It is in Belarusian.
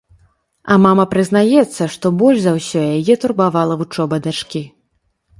А мама прызнаецца, што больш за ўсё яе турбавала вучоба дачкі.